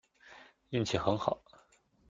运气很好